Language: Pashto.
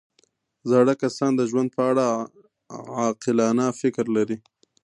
زاړه کسان د ژوند په اړه عاقلانه فکر لري